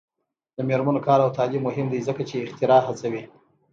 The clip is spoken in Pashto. د میرمنو کار او تعلیم مهم دی ځکه چې اختراع هڅوي.